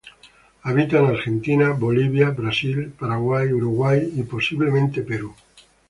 Habita en Argentina, Bolivia, Brasil, Paraguay, Uruguay y posiblemente Perú.